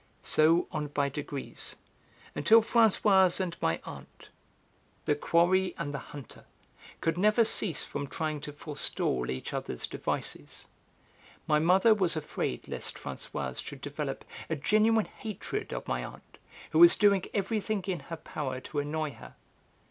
So on by degrees, until Françoise and my aunt, the quarry and the hunter, could never cease from trying to forestall each other's devices. My mother was afraid lest Françoise should develop a genuine hatred of my aunt, who was doing everything in her power to annoy her.